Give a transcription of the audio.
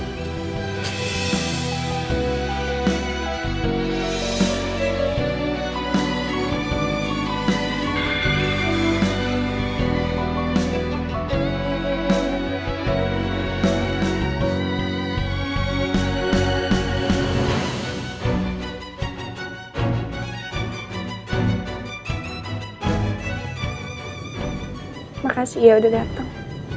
terima kasih ya udah dateng